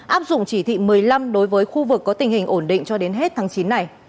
áp dụng chỉ thị một mươi năm đối với khu vực có tình hình ổn định cho đến hết tháng chín này